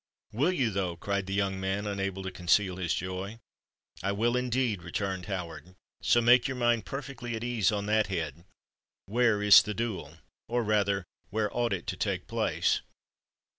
"Will you, though?" cried the young man, unable to conceal his joy. "I will indeed," returned Howard: "so make your mind perfectly easy on that head. Where is the duel—or rather, where ought it to take place?"